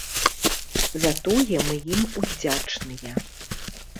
За тое мы ім удзячныя.